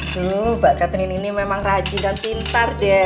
tuh mbak catherine ini memang rajin dan pintar deh